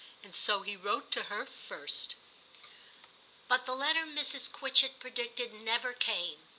and so he wrote to her first.' 276 TIM CHAP. But the letter Mrs. Quitchett predicted never came.